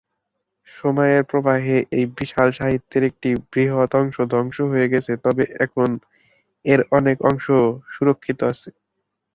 সময়ের প্রবাহে এই বিশাল সাহিত্যের একটি বৃহৎ অংশ ধ্বংস হয়ে গেছে, তবে এখনও এর অনেক অংশ সুরক্ষিত আছে।